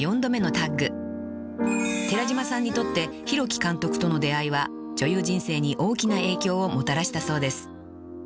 ［寺島さんにとって廣木監督との出会いは女優人生に大きな影響をもたらしたそうです］